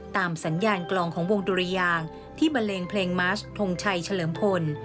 ตามสัญญาณกลองของวงดุรยางที่บันเลงเพลงมาสทงชัยเฉลิมพล